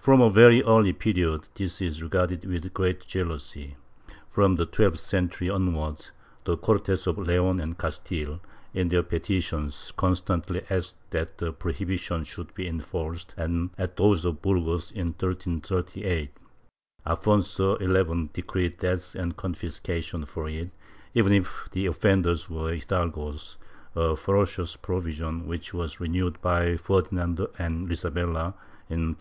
From a very early period this was regarded with great jealousy. From the twelfth century onward, the Cortes of Leon and Castile, in their petitions, constantly asked that the prohibition should be enforced and, at those of Burgos in 1338, Alfonso XI decreed death and confiscation for it, even if the offenders were hidalgos, a ferocious provision which was renewed by Ferdinand and Isa bella in 1499.